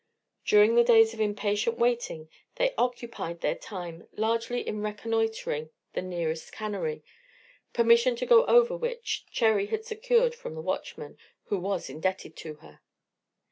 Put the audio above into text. During the days of impatient waiting they occupied their time largely in reconnoitring the nearest cannery, permission to go over which Cherry had secured from the watchman, who was indebted to her.